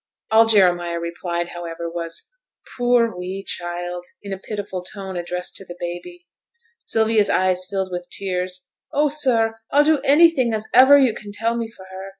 All Jeremiah replied, however, was, 'Poor wee child!' in a pitiful tone, addressed to the baby. Sylvia's eyes filled with tears. 'Oh, sir, I'll do anything as iver yo' can tell me for her.